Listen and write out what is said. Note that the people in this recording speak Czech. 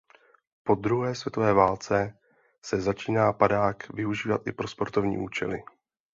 Po druhé světové válce se začíná padák využívat i pro sportovní účely.